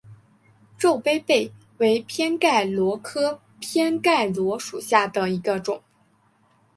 皱杯贝为偏盖螺科偏盖螺属下的一个种。